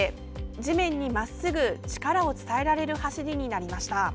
地面にまっすぐ力を伝えられる走りになりました。